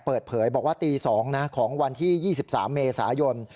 เปิดเผยบอกว่าตีสองนะของวันที่ยี่สิบสามเมษายน